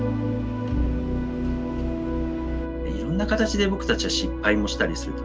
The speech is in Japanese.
いろんな形で僕たちは失敗もしたりする。